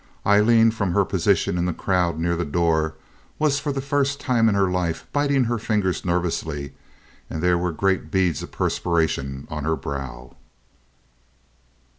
Aileen, from her position in the crowd near the door, was for the first time in her life biting her fingers nervously and there were great beads of perspiration on her brow.